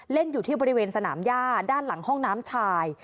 อยู่ที่บริเวณสนามย่าด้านหลังห้องน้ำชาย